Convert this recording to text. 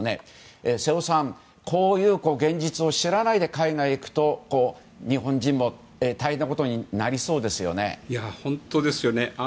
瀬尾さん、こういう現実を知らないで海外に行くと日本人も大変なことになりそうですよね。本当ですよね。